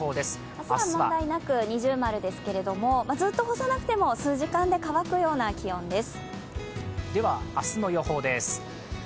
明日は問題なく二重丸ですけれども、ずっと干さなくても数時間で乾くような気温です。